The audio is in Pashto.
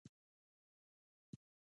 ایا زه باید ضمانت وکړم؟